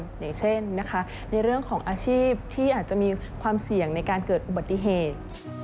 อย่างเช่นนะคะในเรื่องของอาชีพที่อาจจะมีความเสี่ยงในการเกิดอุบัติเหตุ